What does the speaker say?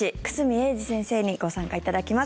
英二先生にご参加いただきます。